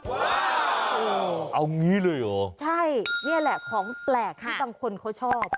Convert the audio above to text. เอางี้เลยเหรอใช่นี่แหละของแปลกที่บางคนเขาชอบ